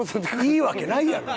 いいわけないやろ！